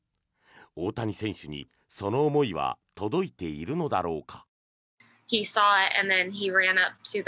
大谷選手にその思いは届いているのだろうか。